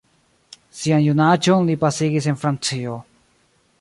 Sian junaĝon li pasigis en Francio.